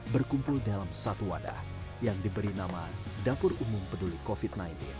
berkumpul dalam satu wadah yang diberi nama dapur umum peduli covid sembilan belas